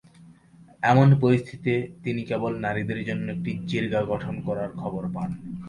এমন পরিস্থিতিতে তিনিকেবল নারীদের জন্য একটি জিরগা গঠন করার খবর পান।